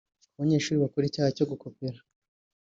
Ku banyeshuri bakora icyaha cyo gukopera